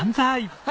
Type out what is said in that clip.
はい。